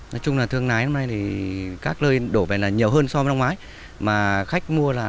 nói chung là thương nái hôm nay thì các nơi đổ vẻ là nhiều hơn so với năm ngoái mà khách mua là